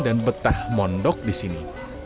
dan betah pondok di sini